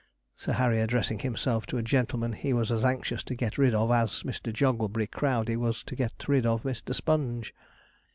Sir Harry addressing himself to a gentleman he was as anxious to get rid of as Mr. Jogglebury Crowdey was to get rid of Mr. Sponge.